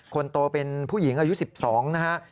คนโตเป็นผู้หญิงอายุ๑๒นะฮะ